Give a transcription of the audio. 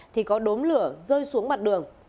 thì có đốm lửa rơi xuống mặt đường